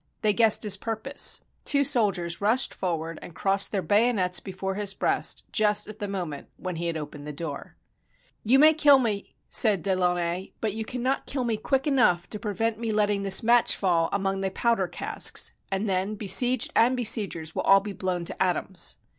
They guessed his purpose. Two soldiers rushed forward and crossed their bayonets before his .breast just at the moment when he had opened the door. 288 THE FALL OF THE BASTILLE "You may kill me," said De Launay, "but you cannot kill me quick enough to prevent me letting this match fall among the powder casks; and then besieged and besiegers will all be blown to atoms."